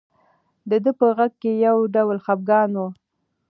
د ده په غږ کې یو ډول خپګان و.